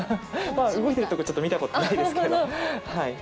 動いてるところ見たことないですけど。